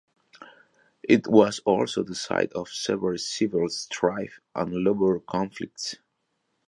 It was also the site of severe civil strife and labour conflicts.